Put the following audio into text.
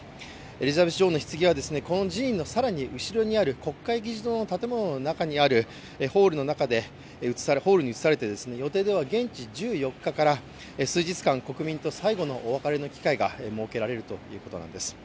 エリザベス女王の棺はこの寺院の更に後ろにある国会議事堂の中にあるホールに移されて、予定では現地１４日から数日間、国民と最後のお別れの機会が設けられるということなんです。